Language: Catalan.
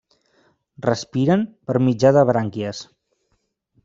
Respiren per mitjà de brànquies.